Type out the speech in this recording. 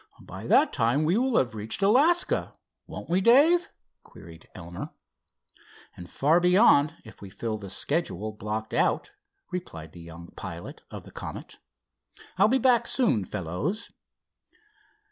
"By that time we will have reached Alaska; won't we, Dave?" queried Elmer. "And far beyond, if we fill the schedule blocked out," replied the young pilot of the Comet. "I'll be back soon, fellows."